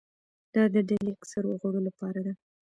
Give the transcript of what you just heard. دا د ډلې اکثرو غړو لپاره ده.